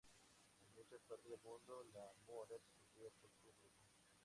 En muchas partes del mundo, la mora se cultiva por su fruto.